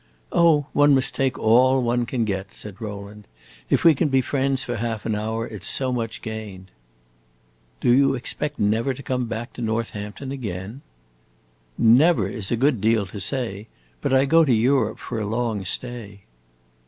"Oh, one must take all one can get," said Rowland. "If we can be friends for half an hour, it 's so much gained." "Do you expect never to come back to Northampton again?" "'Never' is a good deal to say. But I go to Europe for a long stay."